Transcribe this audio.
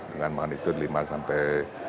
dengan magnitude lima sampai